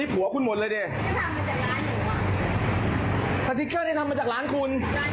ไม่รู้ว่าเป็นเธออยากจะหรือเปล่าว่เขาอยู่